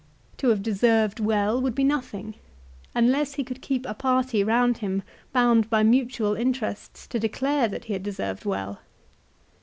To have deserved well would be nothing, unless he could keep a party round him bound by mutual interests to declare that he had deserved well.